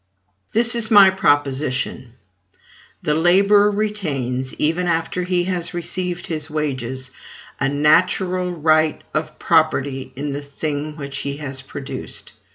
This is my proposition: THE LABORER RETAINS, EVEN AFTER HE HAS RECEIVED HIS WAGES, A NATURAL RIGHT OF PROPERTY IN THE THING WHICH HE HAS PRODUCED.